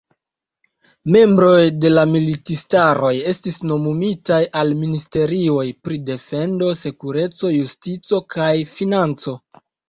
Membroj de la militistaro estis nomumitaj al ministerioj pri defendo, sekureco, justico kaj financo.